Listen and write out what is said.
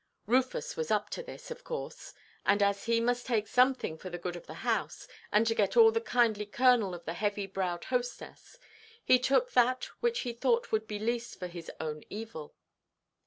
Rufus was up to this, of course; and, as he must take something for the good of the house, and to get at the kindly kernel of the heavy–browed hostess, he took that which he thought would be least for his own evil.